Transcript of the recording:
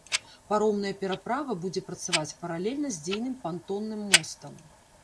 Паромная пераправа будзе працаваць паралельна з дзейным пантонным мостам.